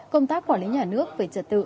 công tác quản lý nhà nước về trật tự